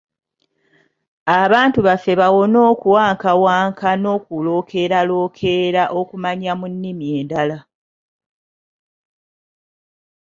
Abantu baffe bawone okuwankawanka n’okulookeralookera okumanya mu nnimi endala.